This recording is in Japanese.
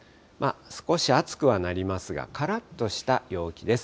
少し暑くはなりますが、からっとした陽気です。